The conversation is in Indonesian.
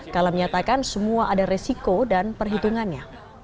kala menyatakan semua ada resiko dan perhitungannya